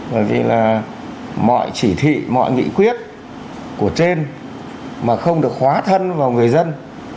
bởi vì là mọi chỉ thị mọi nghị quyết của trên mà không được hóa thân vào người dân